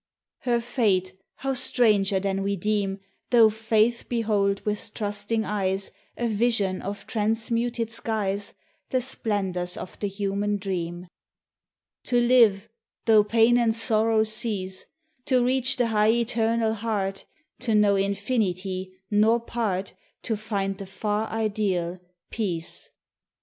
Her fate, how stranger than we deem! Tho' Faith behold with trusting eyes A vision on transmuted skies The splendors of the human dream; To live, tho' Pain and Sorrow cease; To reach the high Eternal Heart; To know Infinity, nor part; To find the far Ideal, Peace 57 THE TESTIMONY OF THE SUNS.